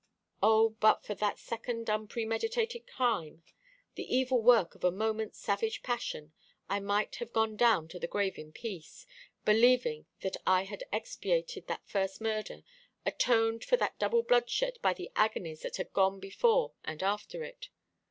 O, but for that second unpremeditated crime, the evil work of a moment's savage passion, I might have gone down to the grave in peace, believing that I had expiated that first murder, atoned for that double bloodshed by the agonies that had gone before and after it.